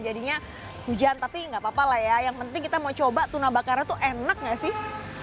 jadinya hujan tapi nggak apa apa lah ya yang penting kita mau coba tuna bakarnya tuh enak gak sih